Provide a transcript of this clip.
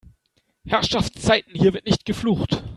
Herrschaftszeiten, hier wird nicht geflucht!